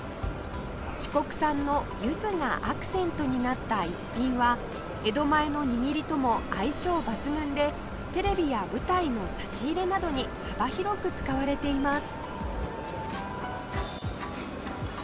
四国産のゆずがアクセントになった逸品は江戸前の握りとも相性抜群でテレビや舞台の差し入れなどに幅広く使われています